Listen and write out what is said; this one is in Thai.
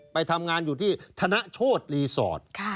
ไปทำงานอยู่ที่ธนโชธรีสอร์ท